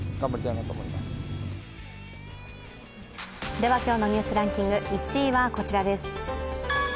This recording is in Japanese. では今日の「ニュースランキング」１位はこちらです。